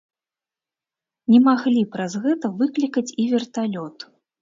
Не маглі праз гэта выклікаць і верталёт.